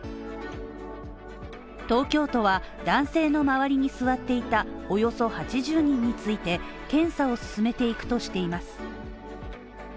東京都は男性の周りに座っていたおよそ８０人について検査を進めていくとしています。